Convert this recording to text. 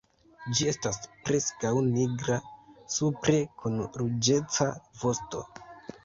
Ĝi estas preskaŭ nigra supre kun ruĝeca vosto.